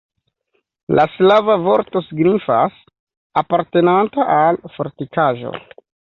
La slava vorto signifas: apartenanta al fortikaĵo.